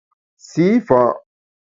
Sî fa’ !